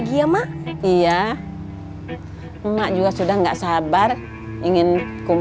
kamu kadang maku dibikin kabur karena sakit